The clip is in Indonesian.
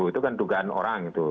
itu kan dugaan orang itu